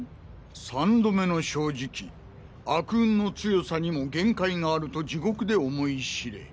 「３ど目の正直悪運の強さニモ限界があると地獄で思い知れ！